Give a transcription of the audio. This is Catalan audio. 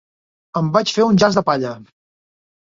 Em vaig fer un jaç de palla.